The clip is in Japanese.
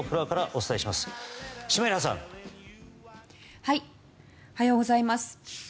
おはようございます。